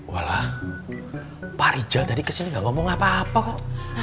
walau pak rijal tadi kesini gak ngomong apa apa kok